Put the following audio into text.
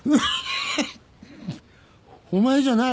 お前じゃない。